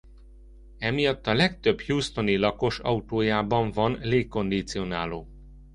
Emiatt a legtöbb houstoni lakos autójában van légkondicionáló.